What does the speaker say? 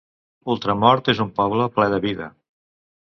Ultramort és un poble ple de vida.